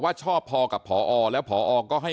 เชิงชู้สาวกับผอโรงเรียนคนนี้